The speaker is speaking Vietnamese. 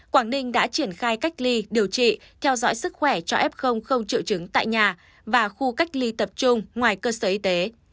quảng ninh đã triển khai cách ly điều trị theo dõi sức khỏe cho f không triệu chứng tại nhà và khu cách ly tập trung ngoài cơ sở y tế